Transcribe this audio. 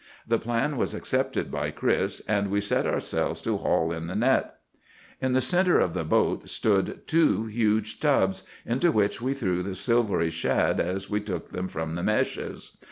The plan was accepted by Chris, and we set ourselves to haul in the net. "In the centre of the boat stood two huge tubs, into which we threw the silvery shad as we took them from the meshes.